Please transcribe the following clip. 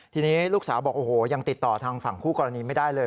ทีนี้ลูกสาวบอกโอ้โหยังติดต่อทางฝั่งคู่กรณีไม่ได้เลย